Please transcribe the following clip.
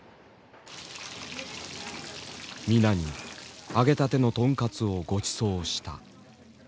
皆に揚げたてのとんかつをごちそうした。